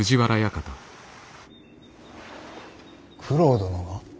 九郎殿が？